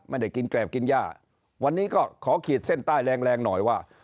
ไม่ได้กินแกรบกินย่าวันนี้ก็ขอขีดเส้นใต้แรงแรงหน่อยว่า